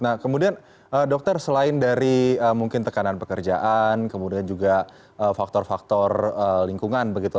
nah kemudian dokter selain dari mungkin tekanan pekerjaan kemudian juga faktor faktor lingkungan begitu